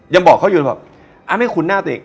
ยังบอกเขาอยู่แบบไม่คุ้นหน้าตัวเอง